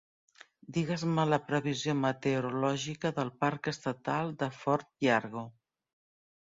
Digues-me la previsió meteorològica del Parc estatal de Fort Yargo